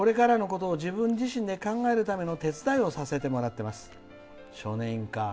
これからのことを自分自身で考えることの手伝いをさせてもらっています。